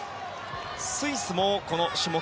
スイスもこの種目